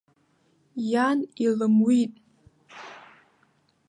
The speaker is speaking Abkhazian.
Иан илымуит.